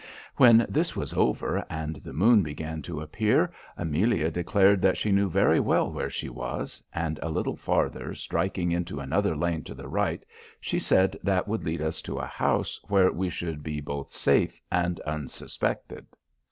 "When this was over and the moon began to appear, Amelia declared she knew very well where she was; and, a little farther striking into another lane to the right, she said that would lead us to a house where we should be both safe and unsuspected.